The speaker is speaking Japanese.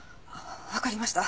わかりました。